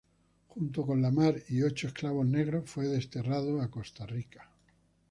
Junto con La Mar y ocho esclavos negros fue desterrado a Costa Rica.